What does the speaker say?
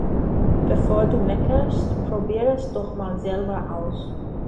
Bevor du meckerst, probier' es doch mal selber aus!